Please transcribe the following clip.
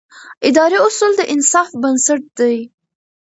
اداري اصول د انصاف بنسټ دی.